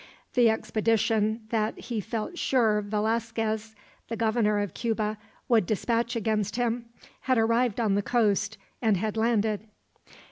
The expedition that he felt sure Velasquez, the Governor of Cuba, would dispatch against him, had arrived on the coast, and had landed.